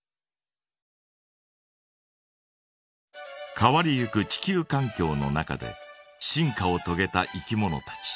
変わりゆく地球かん境の中で進化をとげたいきものたち。